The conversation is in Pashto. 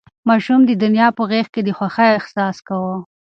ماشوم د نیا په غېږ کې د خوښۍ احساس کاوه.